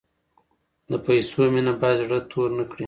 د پیسو مینه باید زړه تور نکړي.